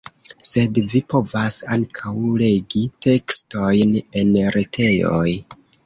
Sed vi povas ankaŭ legi tekstojn en retejoj.